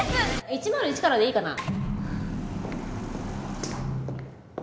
１０１からでいいかな？